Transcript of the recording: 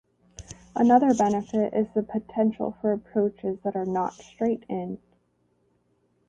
Another benefit is the potential for approaches that are not straight- in.